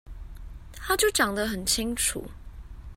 他就講得很清楚